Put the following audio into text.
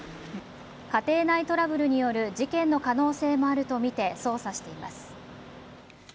家庭内トラブルによる事件の可能性もあるとみて捜査しています。